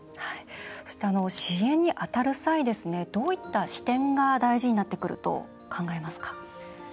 そして支援に当たる際にどういった視点が大事になってくると考えますか？